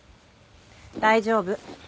大丈夫。